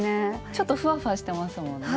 ちょっとふわふわしてますもんね。